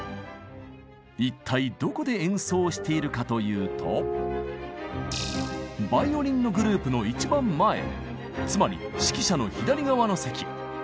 一体どこで演奏しているかというとバイオリンのグループの一番前つまり指揮者の左側の席。